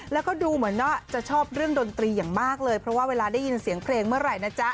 แล้วก็ดูเหมือนว่าจะชอบเรื่องดนตรีอย่างมากเลยเพราะว่าเวลาได้ยินเสียงเพลงเมื่อไหร่นะจ๊ะ